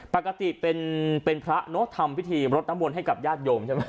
ปกติเป็นพระเนอะทำพิธีรดน้ำมนต์ให้กับญาติโยมใช่ไหม